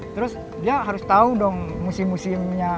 terus dia harus tahu dong musim musimnya